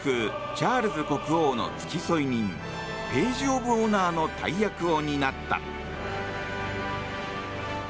チャールズ国王の付添人ページ・オブ・オナーの大役を担った。